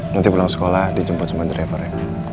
nanti pulang sekolah dicemput semua driver ya